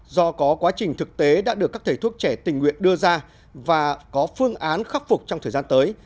do có quá trình thực tế đã được các thầy thuốc trẻ tình nguyện đưa ra và có phương án khắc phục trong thời gian tới